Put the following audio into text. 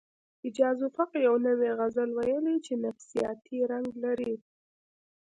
اعجاز افق یو نوی غزل ویلی چې نفسیاتي رنګ لري